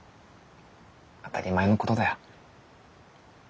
当たり前のことだよ。